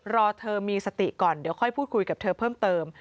รอเธอมีสติก่อนเดี๋ยวค่อยพูดคุยกับเธอเพิ่มเติม